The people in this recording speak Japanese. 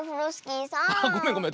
ごめんごめん。